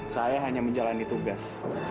saya hanya menjalani tugas